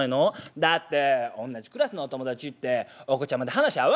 「だっておんなじクラスのお友達ってお子ちゃまで話合わへんねんもん」。